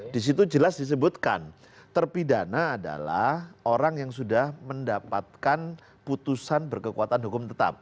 di situ jelas disebutkan terpidana adalah orang yang sudah mendapatkan putusan berkekuatan hukum tetap